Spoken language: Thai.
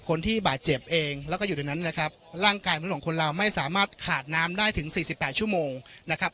คนที่บาดเจ็บเองแล้วก็อยู่ตรงนั้นนะครับร่างกายมนุษย์ของคนเราไม่สามารถขาดน้ำได้ถึงสี่สิบแปดชั่วโมงนะครับ